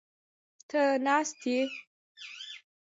ته ناست یې؟